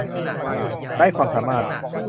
ไร้ความสามารถ